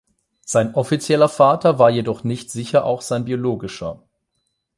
Sein offizieller Vater war jedoch nicht sicher auch sein biologischer.